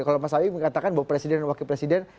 kalau mas awi mengatakan bahwa presiden dan wakil presiden